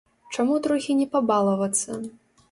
Чаму трохі не пабалавацца?